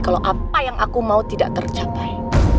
kalau apa yang aku mau tidak tercapai